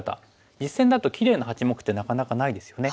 実戦だときれいな８目ってなかなかないですよね。